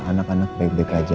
anak anak baik baik aja